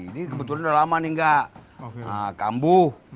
ini kebetulan udah lama nih nggak kambuh